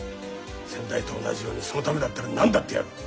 先代と同じようにそのためだったら何だってやる。